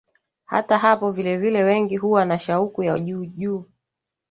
Hata hapo vilevile wengi huwa na shauku ya juu juu